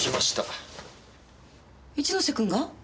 一ノ瀬くんが？